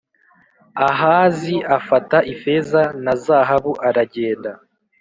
Ahazi afata ifeza na zahabu aragenda